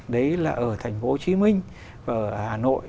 đấy là ở thành phố hồ chí minh và hà nội